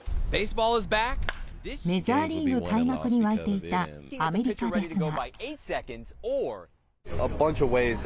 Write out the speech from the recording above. メジャーリーグ開幕に沸いていたアメリカですが。